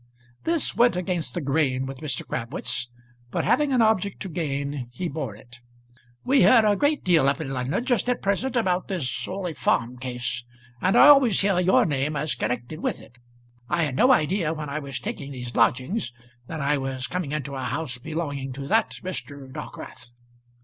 This went against the grain with Mr. Crabwitz, but, having an object to gain, he bore it. "We hear a great deal up in London just at present about this Orley Farm case, and I always hear your name as connected with it. I had no idea when I was taking these lodgings that I was coming into a house belonging to that Mr. Dockwrath."